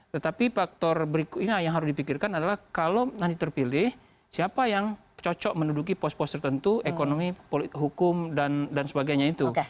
tetapi faktor berikutnya yang harus dipikirkan adalah kalau nanti terpilih siapa yang cocok menduduki pos pos tertentu ekonomi hukum dan sebagainya itu